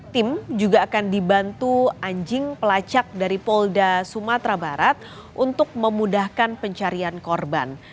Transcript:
tim juga akan dibantu anjing pelacak dari polda sumatera barat untuk memudahkan pencarian korban